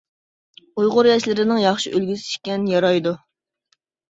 ئۇيغۇر ياشلىرىنىڭ ياخشى ئۈلگىسى ئىكەن، يارايدۇ.